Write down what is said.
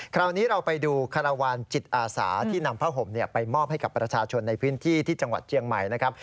คราวนี้เราไปดูคารวาลจิตอาสาที่นำผ้าห่มไปมอบให้กับประชาชนในพื้นที่ที่จังหวัดเจียงใหม่นะครับ